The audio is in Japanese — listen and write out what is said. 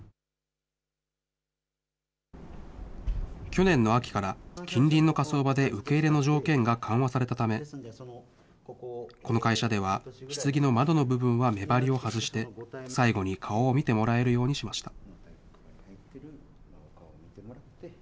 去年の秋から近隣の火葬場で受け入れの条件が緩和されたため、この会社ではひつぎの窓の部分は目張りを外して、最後に顔を見てもらえるようにしました。